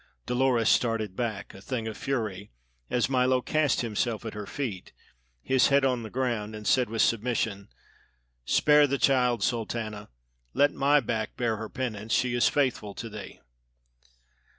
Dolores started back, a thing of fury, as Milo cast himself at her feet, his head on the ground, and said with submission: "Spare the child, Sultana. Let my back bear her penance. She is faithful to thee."